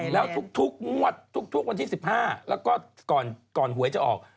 แล้วทุกงวดทุกวันที่๑๕แล้วก็ก่อนหวยจะออก